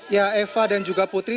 ya eva dan juga putri